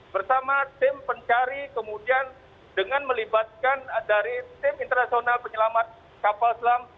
bersama tim pencari kemudian dengan melibatkan dari tim internasional penyelamat kapal selam